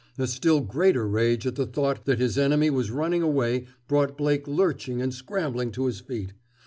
A still greater rage at the thought that his enemy was running away brought Blake lurching and scrambling to his feet.